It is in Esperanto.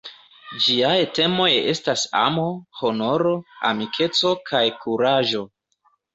Ĝiaj temoj estas amo, honoro, amikeco kaj kuraĝo.